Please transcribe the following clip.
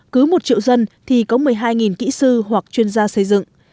cứ một triệu dân thì có một mươi hai kỹ sư hoặc chuyên gia xây dựng